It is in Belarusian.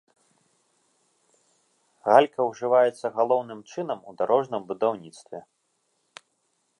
Галька ўжываецца галоўным чынам у дарожным будаўніцтве.